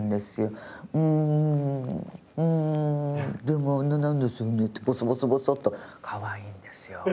「うんうんでもなんですよね」ってボソボソボソッとかわいいんですよ。